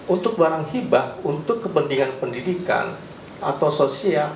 untuk barang hibah untuk kepentingan pendidikan atau sosial